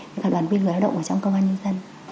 với các đoàn viên người lao động trong công an nhân dân